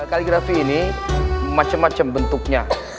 kaligrafi ini macam macam bentuknya